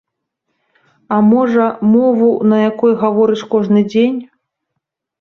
А можа, мову, на якой гаворыш кожны дзень?